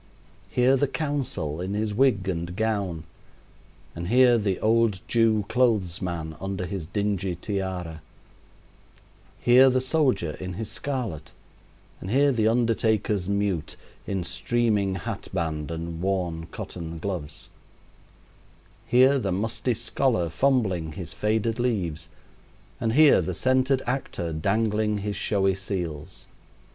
Here the counsel in his wig and gown, and here the old Jew clothes man under his dingy tiara; here the soldier in his scarlet, and here the undertaker's mute in streaming hat band and worn cotton gloves; here the musty scholar fumbling his faded leaves, and here the scented actor dangling his showy seals.